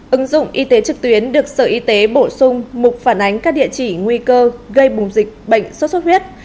ứng dụng y tế trực tuyến được sở y tế bổ sung mục phản ánh các địa chỉ nguy cơ gây bùng dịch bệnh sốt xuất huyết